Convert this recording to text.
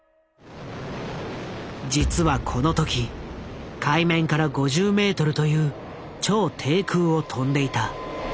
実はこの時海面から５０メートルという超低空を飛んでいた。